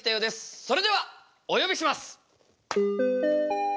それではお呼びします！